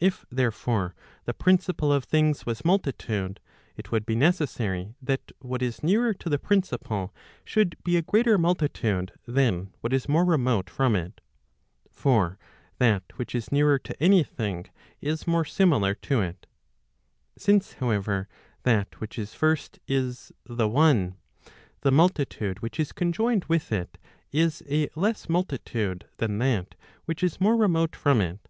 If therefore the principle of things was multitude, it would be necessary that what is nearer to the principle should be a greater multitude than what is more remote from it. For that which is nearer to any thing is more similar to it. Since however, that which is first is the one , the multitude which is conjoined with it, is a less multitude than that which is more remote from it.